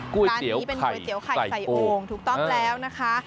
กล้วยเตี๋ยวไข่ใส่โอ่งถูกต้องแล้วนะคะ